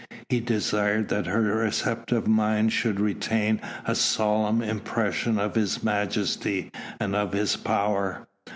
He desired that her receptive mind should retain a solemn impression of his majesty and of his power.